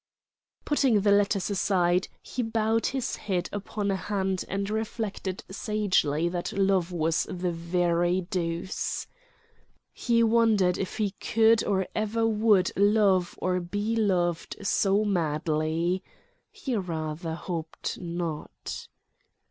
Putting the letters aside, he bowed his head upon a hand and reflected sagely that love was the very deuce. He wondered if he could or ever would love or be loved so madly. He rather hoped not